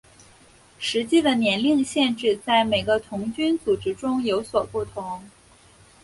实际的年龄限制在每个童军组织中有所不同。